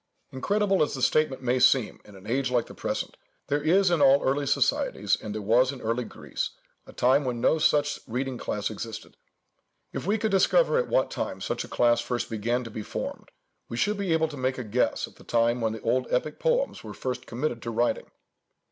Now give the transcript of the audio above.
Incredible as the statement may seem in an age like the present, there is in all early societies, and there was in early Greece, a time when no such reading class existed. If we could discover at what time such a class first began to be formed, we should be able to make a guess at the time when the old epic poems were first committed to writing.